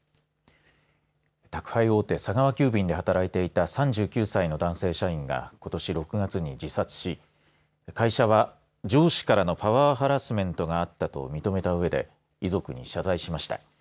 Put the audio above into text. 宅配大手、佐川急便で働いていた３９歳の男性社員がことし６月に自殺し会社は、上司からのパワーハラスメントがあったと認めたうえで遺族に謝罪しました。